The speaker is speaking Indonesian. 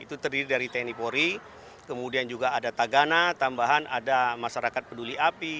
itu terdiri dari tni polri kemudian juga ada tagana tambahan ada masyarakat peduli api